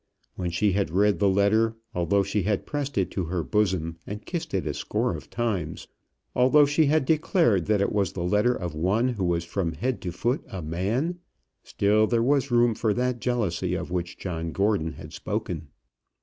When she had read the letter, although she had pressed it to her bosom and kissed it a score of times, although she had declared that it was the letter of one who was from head to foot a man, still there was room for that jealousy of which John Gordon had spoken.